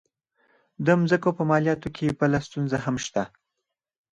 د مځکو په مالیاتو کې بله ستونزه هم شته.